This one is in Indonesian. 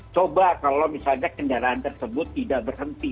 coba kalau misalnya kendaraan tersebut tidak berhenti